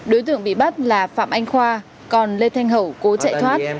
đối tượng bị bắt là phạm anh khoa còn lê thanh hậu cố chạy thoát